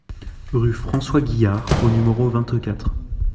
Rue François Guihard au numéro vingt-quatre